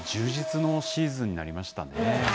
充実のシーズンになりましたね。